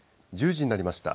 １０時になりました。